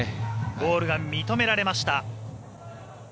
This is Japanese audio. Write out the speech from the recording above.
ゴールが認められました。